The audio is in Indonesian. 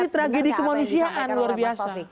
ini tragedi kemanusiaan luar biasa